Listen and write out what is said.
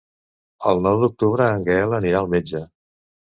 El nou d'octubre en Gaël anirà al metge.